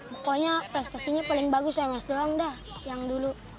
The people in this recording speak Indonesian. pokoknya prestasinya paling bagus ums doang dah yang dulu